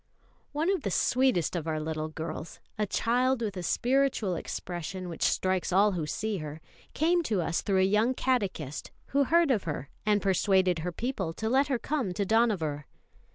One of the sweetest of our little girls, a child with a spiritual expression which strikes all who see her, came to us through a young catechist who heard of her and persuaded her people to let her come to Dohnavur.